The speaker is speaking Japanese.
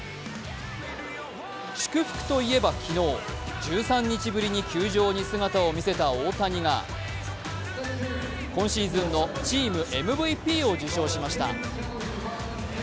祝福といえば昨日、１３日ぶりに球場に姿を見せた大谷が今シーズンのチームＭＶＰを受賞しました。